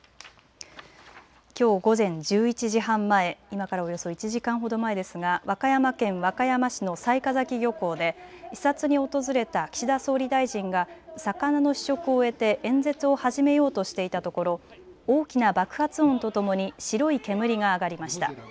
きょう午前１１時半前、今からおよそ１時間ほど前ですが和歌山県和歌山市の雑賀崎漁港で視察に訪れた岸田総理大臣が魚の試食を終えて演説を始めようとしていたところ大きな爆発音とともに白い煙が上がりました。